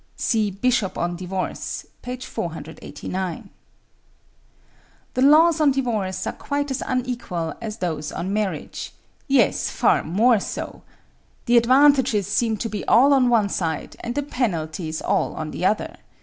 (See 'Bishop on Divorce,' p. 489.) "The laws on divorce are quite as unequal as those on marriage; yea, far more so. The advantages seem to be all on one side and the penalties on the other.